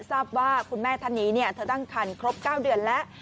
ทราบว่าคุณแม่ท่านนี้เธอตั้งคันครบ๙เดือนแล้ว